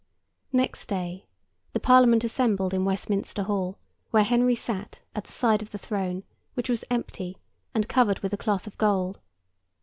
Next day, the Parliament assembled in Westminster Hall, where Henry sat at the side of the throne, which was empty and covered with a cloth of gold.